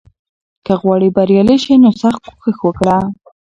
که غواړې بریالی شې، نو سخت کوښښ وکړه.